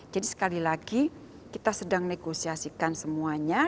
jadi sekali lagi kita sedang negosiasikan semuanya